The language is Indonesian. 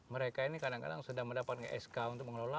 mereka ini kadang kadang sedang mendapat sk untuk mengelola